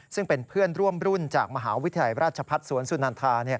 ซึ่งเป็นเพื่อนร่วมรุ่นจากมหาวิทยาลัยราชพัฒน์สวนสุนันทา